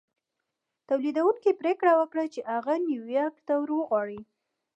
توليدوونکي پرېکړه وکړه چې هغه نيويارک ته ور وغواړي.